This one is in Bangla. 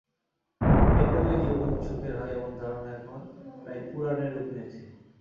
বিয়ে করলেই জীবন সুখের হয়—এমন ধারণা এখন প্রায় পুরাণে রূপ নিয়েছে।